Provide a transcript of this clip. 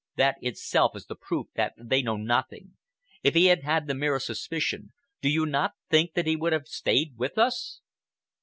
That itself is the proof that they know nothing. If he had had the merest suspicion, do you not think that he would have stayed with us?"